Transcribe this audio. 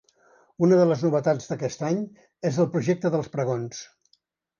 Una de les novetats d’aquest any és el projecte dels pregons.